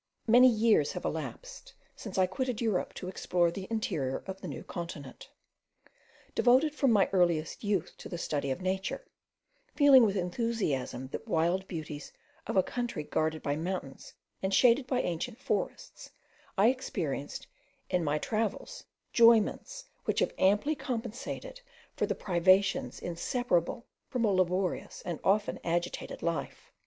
Many years have elapsed since I quitted Europe, to explore the interior of the New Continent. Devoted from my earliest youth to the study of nature, feeling with enthusiasm the wild beauties of a country guarded by mountains and shaded by ancient forests, I experienced in my travels, enjoyments which have amply compensated for the privations inseparable from a laborious and often agitated life.